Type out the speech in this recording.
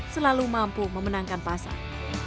selalu mampu memenangkan pasar